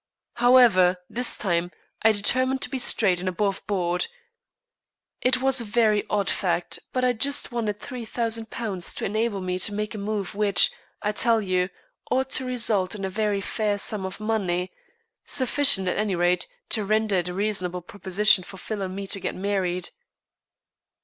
However, this time I determined to be straight and above board. It was a very odd fact, but I just wanted £3000 to enable me to make a move which, I tell you, ought to result in a very fair sum of money, sufficient, at any rate, to render it a reasonable proposition for Phil and me to get married."